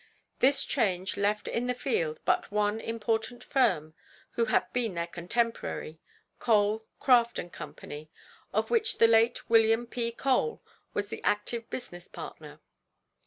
This change left in the field but one important firm who had been their contemporary Cole, Craft & Co. of which the late Wm. P. Cole was the active business partner.